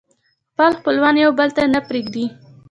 خپل خپلوان يو بل نه پرېږدي